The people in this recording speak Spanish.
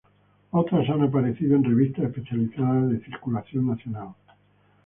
Otras han aparecido en revistas especializadas de circulación nacional.